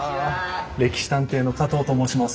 「歴史探偵」の加藤と申します。